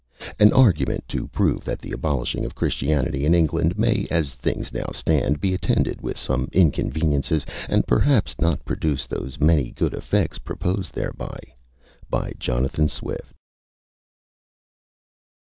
AN ARGUMENT TO PROVE THAT THE ABOLISHING OF CHRISTIANITY IN ENGLAND MAY, AS THINGS NOW STAND, BE ATTENDED WITH SOME INCONVENIENCES, AND PERHAPS NOT PRODUCE THOSE MANY GOOD EFFECTS PROPOSED THEREBY. Written in the year 1708.